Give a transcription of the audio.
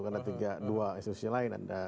karena tiga dua institusi lain ada